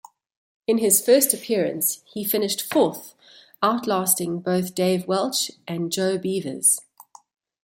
In his first appearance he finished fourth, outlasting both Dave Welch and Joe Beevers.